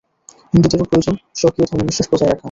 হিন্দুদেরও প্রয়োজন স্বকীয় ধর্মবিশ্বাস বজায় রাখা।